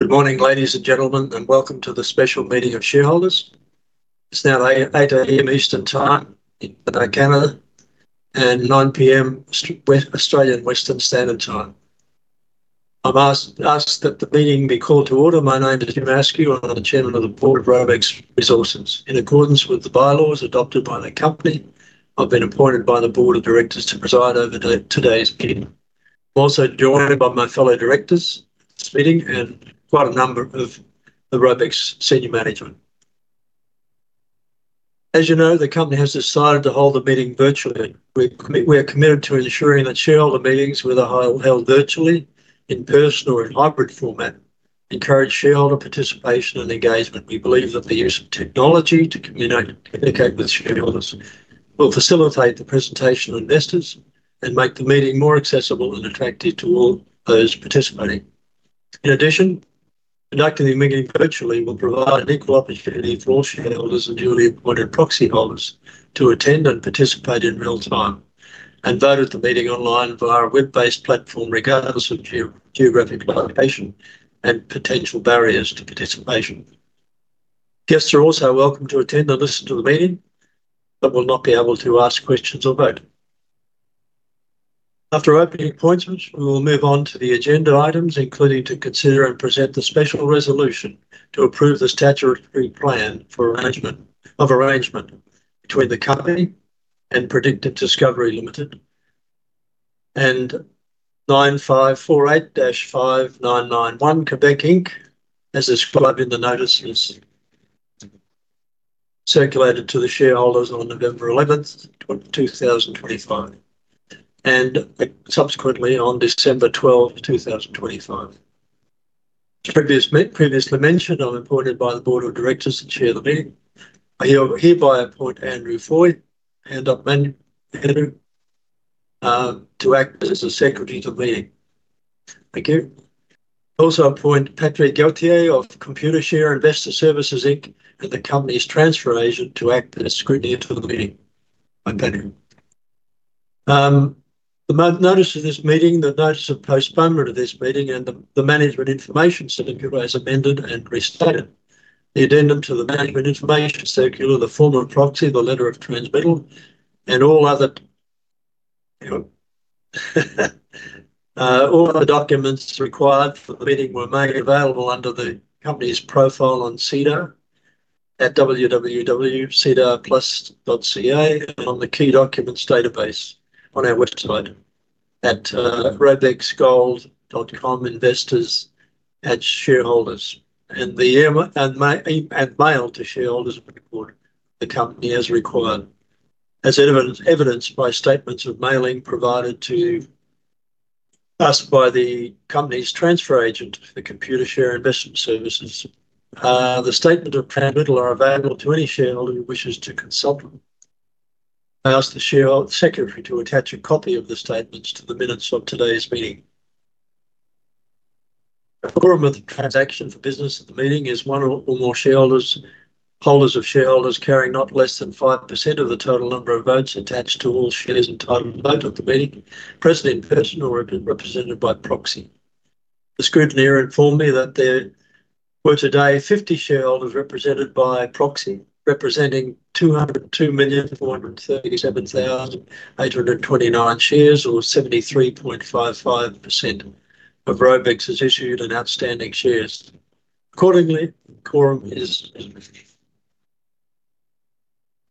Good morning, ladies and gentlemen, and welcome to the special meeting of shareholders. It's now 8:00 A.M. Eastern Time in Canada, and 9:00 P.M. Australian Western Standard Time. I've asked that the meeting be called to order. My name is Jim Askew. I'm the Chairman of the Board of Robex Resources. In accordance with the bylaws adopted by the company, I've been appointed by the Board of Directors to preside over today's meeting. I'm also joined by my fellow directors at this meeting and quite a number of the Robex senior management. As you know, the company has decided to hold the meeting virtually. We are committed to ensuring that shareholder meetings whether held virtually, in person, or in hybrid format encourage shareholder participation and engagement. We believe that the use of technology to communicate with shareholders will facilitate the presentation of investors and make the meeting more accessible and attractive to all those participating. In addition, conducting the meeting virtually will provide an equal opportunity for all shareholders and newly appointed proxy holders to attend and participate in real time and vote at the meeting online via a web-based platform regardless of geographic location and potential barriers to participation. Guests are also welcome to attend and listen to the meeting but will not be able to ask questions or vote. After opening appointments, we will move on to the agenda items, including to consider and present the special resolution to approve the statutory plan of arrangement between the company and Predictive Discovery Limited and 9548-5991 Quebec Inc., as described in the notices circulated to the shareholders on November 11th, 2025, and subsequently on December 12th, 2025. As previously mentioned, I'm appointed by the Board of Directors to chair the meeting. I hereby appoint Matthew Foy to act as the secretary of the meeting. Thank you. I also appoint Patrick Gauthier of Computershare Investor Services Inc. and the company's transfer agent to act as scrutineer to the meeting. Thank you. The notice of this meeting, the notice of postponement of this meeting, and the management information circular, as amended and restated, the addendum to the management information circular, the form of proxy, the letter of transmittal, and all other documents required for the meeting were made available under the company's profile on SEDAR at www.sedarplus.ca and on the key documents database on our website at robexgold.com, investors/shareholders, and mailed to shareholders of the company as required, as evidenced by statements of mailing provided to us by the company's transfer agent, Computershare Investor Services. The statements of transmittal are available to any shareholder who wishes to consult them. I ask the meeting secretary to attach a copy of the statements to the minutes of today's meeting. A quorum of the transaction for business at the meeting is one or more shareholders, holders of shareholders carrying not less than 5% of the total number of votes attached to all shares entitled to vote at the meeting, present in person or represented by proxy. The scrutineer informed me that there were today 50 shareholders represented by proxy, representing 202,437,829 shares, or 73.55% of Robex's issued and outstanding shares. Accordingly, the quorum is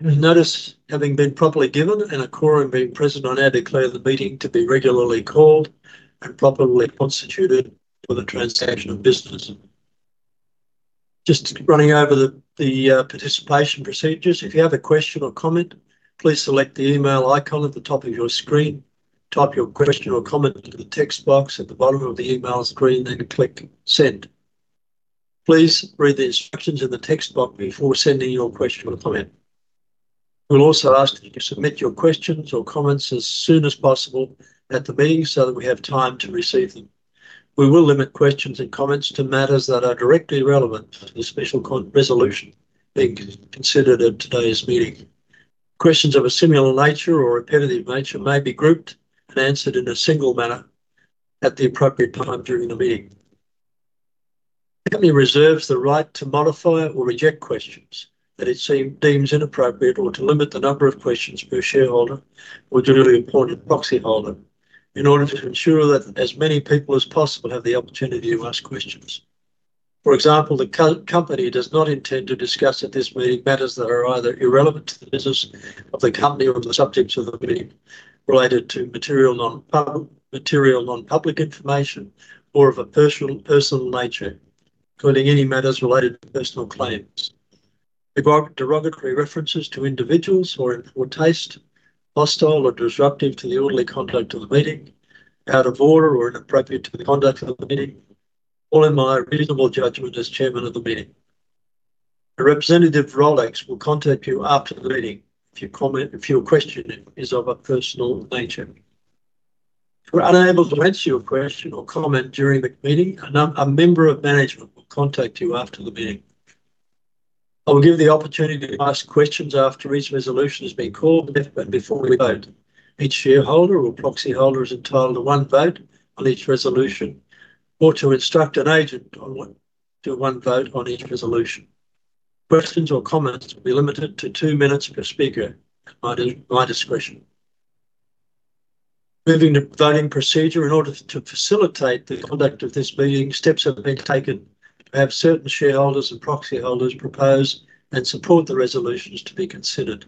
noticed having been properly given and a quorum being present, I now declare the meeting to be regularly called and properly constituted for the transaction of business. Just running over the participation procedures, if you have a question or comment, please select the email icon at the top of your screen, type your question or comment into the text box at the bottom of the email screen, then click send. Please read the instructions in the text box before sending your question or comment. We'll also ask that you submit your questions or comments as soon as possible at the meeting so that we have time to receive them. We will limit questions and comments to matters that are directly relevant to the special resolution being considered at today's meeting. Questions of a similar nature or repetitive nature may be grouped and answered in a single manner at the appropriate time during the meeting. The company reserves the right to modify or reject questions that it deems inappropriate or to limit the number of questions per shareholder or duly appointed proxy holder in order to ensure that as many people as possible have the opportunity to ask questions. For example, the company does not intend to discuss at this meeting matters that are either irrelevant to the business of the company or the subjects of the meeting related to material non-public information or of a personal nature, including any matters related to personal claims, derogatory references to individuals or for taste, hostile or disruptive to the orderly conduct of the meeting, out of order or inappropriate to the conduct of the meeting, all in my reasonable judgment as Chairman of the meeting. A representative of Robex will contact you after the meeting if your question is of a personal nature. If we're unable to answer your question or comment during the meeting, a member of management will contact you after the meeting. I will give you the opportunity to ask questions after each resolution has been called and before we vote. Each shareholder or proxy holder is entitled to one vote on each resolution or to instruct an agent to do one vote on each resolution. Questions or comments will be limited to two minutes per speaker at my discretion. Moving to voting procedure, in order to facilitate the conduct of this meeting, steps have been taken to have certain shareholders and proxy holders propose and support the resolutions to be considered.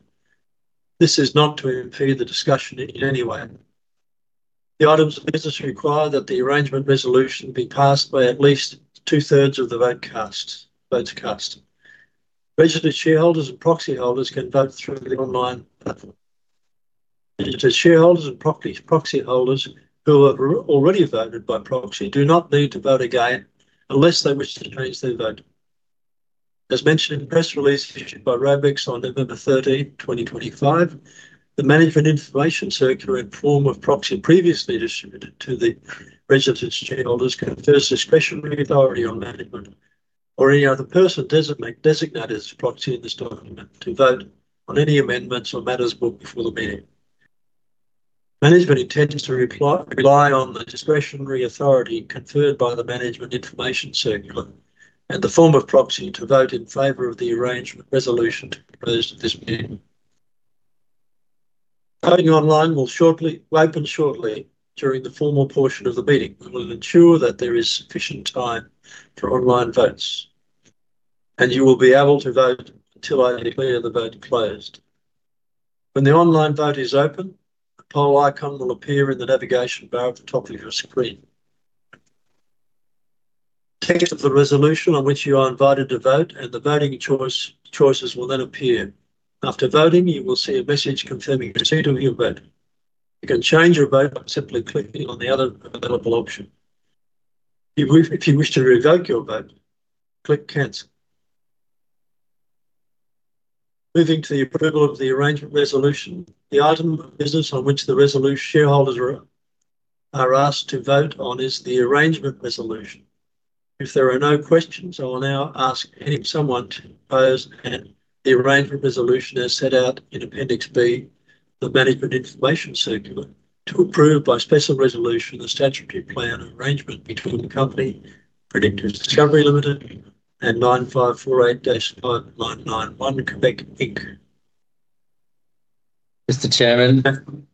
This is not to impede the discussion in any way. The items of business require that the arrangement resolution be passed by at least two-thirds of the votes cast. Registered shareholders and proxy holders can vote through the online platform. Registered shareholders and proxy holders who have already voted by proxy do not need to vote again unless they wish to change their vote. As mentioned in the press release issued by Robex on November 13, 2025, the management information circular in form of proxy previously distributed to the registered shareholders confers discretionary authority on management or any other person designated as proxy in this document to vote on any amendments or matters before the meeting. Management intends to rely on the discretionary authority conferred by the management information circular and the form of proxy to vote in favor of the arrangement resolution proposed at this meeting. Voting online will open shortly during the formal portion of the meeting. We will ensure that there is sufficient time for online votes, and you will be able to vote until I declare the vote closed. When the online vote is open, a poll icon will appear in the navigation bar at the top of your screen. Text of the resolution on which you are invited to vote and the voting choices will then appear. After voting, you will see a message confirming your seat or your vote. You can change your vote by simply clicking on the other available option. If you wish to revoke your vote, click cancel. Moving to the approval of the arrangement resolution, the item of business on which shareholders are asked to vote on is the arrangement resolution. If there are no questions, I will now ask someone to propose the arrangement resolution as set out in Appendix B, the management information circular, to approve by special resolution the statutory plan of arrangement between the company, Predictive Discovery Limited, and 9548-5991 Quebec Inc. Mr. Chairman,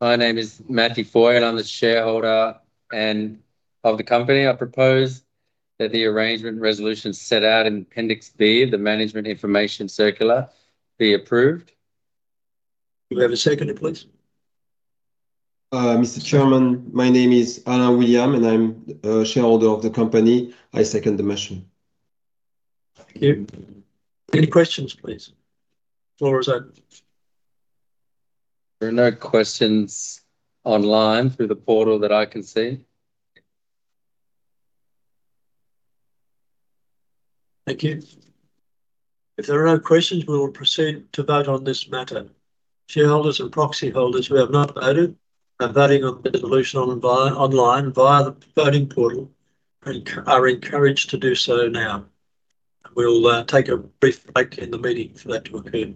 my name is Matthew Foy and I'm the shareholder of the company. I propose that the arrangement resolution set out in Appendix B, the management information circular, be approved. Do we have a seconder, please? Mr. Chairman, my name is Alain William and I'm a shareholder of the company. I second the motion. Thank you. Any questions, please? Floor is open. There are no questions online through the portal that I can see. Thank you. If there are no questions, we will proceed to vote on this matter. Shareholders and proxy holders who have not voted are voting on the resolution online via the voting portal and are encouraged to do so now. We'll take a brief break in the meeting for that to occur.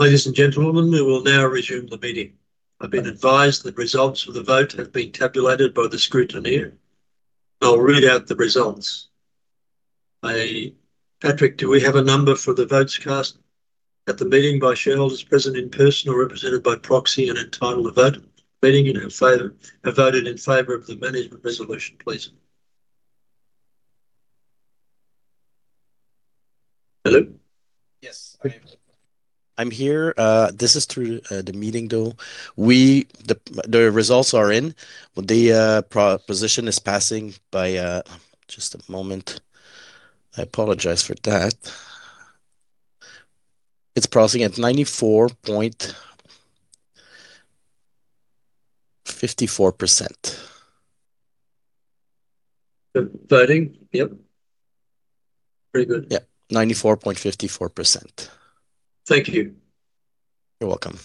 Ladies and gentlemen, we will now resume the meeting. I've been advised that results of the vote have been tabulated by the scrutineer. I'll read out the results. Patrick, do we have a number for the votes cast at the meeting by shareholders present in person or represented by proxy and entitled to vote? Meeting in her favor, have voted in favor of the arrangement resolution, please. Hello? Yes, I'm here. This is through the meeting door. The results are in. The proposition is passing by just a moment. I apologize for that. It's passing at 94.54%. The voting? Yep. Pretty good. Yeah. 94.54%. Thank you. You're welcome.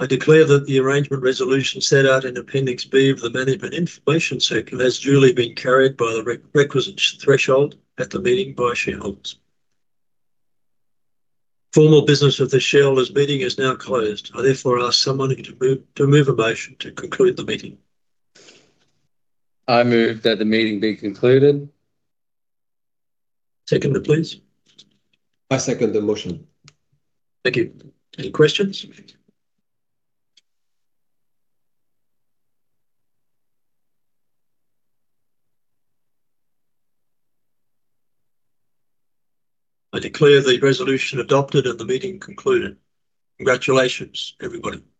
I declare that the arrangement resolution set out in Appendix B of the management information circular has duly been carried by the requisite threshold at the meeting by shareholders. Formal business of the shareholders' meeting is now closed. I therefore ask someone to move a motion to conclude the meeting. I move that the meeting be concluded. Second it, please. I second the motion. Thank you. Any questions? I declare the resolution adopted and the meeting concluded. Congratulations, everybody. Thank you.